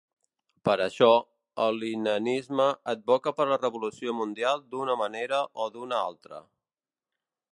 Per això, el Leninisme advoca per la revolució mundial d'una manera o d'una altra.